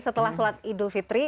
setelah sholat idul fitri